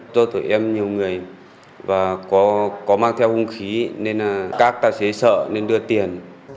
tôi thổi em nhiều người và có mang theo hung khí nên các tài xế sợ nên đưa tiền